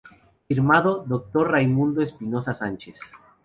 Firmado Dr. Raimundo Espinosa Sánchez.